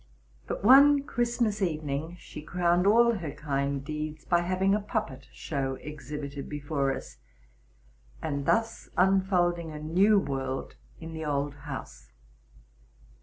But, one Christmas evening, she crowned all her kind deeds by having a puppet show exhibited before us, and thus unfolding a new world in the old house.